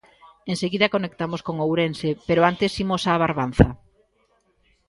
Enseguida conectamos con Ourense, pero antes imos á Barbanza.